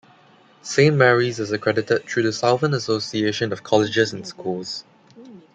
Saint Mary's is accredited through the Southern Association of Colleges and Schools.